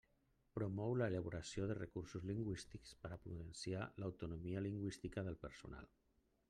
Promou l'elaboració de recursos lingüístics per potenciar l'autonomia lingüística del personal.